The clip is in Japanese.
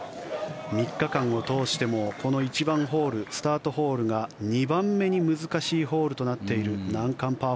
３日間を通してもこの１番ホールスタートホールが２番目に難しいホールとなっている、難関パー